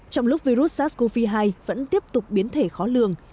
trong lúc virus sars cov hai vẫn tiếp tục biến thể khó lường